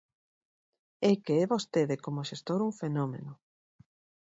¡É que é vostede como xestor un fenómeno!